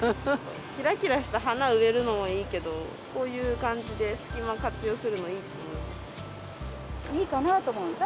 きらきらした花植えるのもいいけど、こういう感じで隙間活用するのいいと思います。